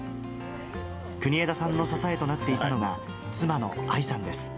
国枝さんの支えとなっていたのが、妻の愛さんです。